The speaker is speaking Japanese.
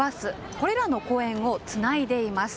これらの公園をつないでいます。